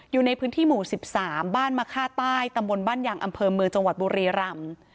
อยู่ในพื้นที่หมู่๑๓บ้านมะค่าใต้ตำบลบ้านยังอำเภอเมืองจังหวัดบุรีรำ